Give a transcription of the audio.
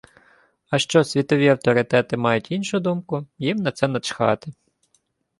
А що світові авторитети мають іншу думку – їм на це начхати